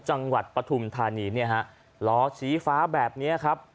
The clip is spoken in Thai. จังหวัดปะถุมทานีเนี่ยค่ะล้อชี้ฟ้าแบบนี้ครับ